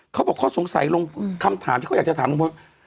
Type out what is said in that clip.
เขาบอกเขาสงสัยลงคำถามที่เขาอยากจะถามลุงพล